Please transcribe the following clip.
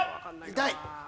痛い！